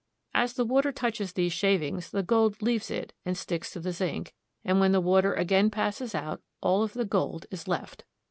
As the water touches these shavings, the gold leaves it and sticks to the zinc ; and when the water again passes out, all of the gold is left.